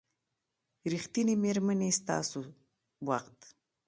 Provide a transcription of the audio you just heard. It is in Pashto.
ریښتینې میرمنې ستاسو وخت